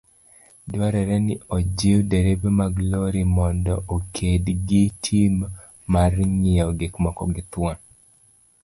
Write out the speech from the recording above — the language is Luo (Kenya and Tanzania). Dwaroreniojiwderepemaglorimondookedgitim marng'iewogikmokogithuon.